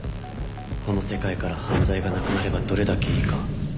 この世界から犯罪がなくなればどれだけいいか